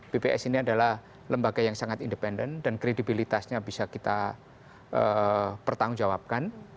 bps ini adalah lembaga yang sangat independen dan kredibilitasnya bisa kita pertanggungjawabkan